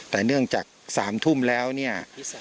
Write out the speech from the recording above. แต่เนื่องจาก๓ทุ่มแล้วเนี่ย